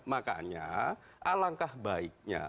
makanya alangkah baiknya